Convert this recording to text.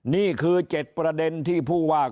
นี่คือ๗ประเด็นที่ผู้ว่า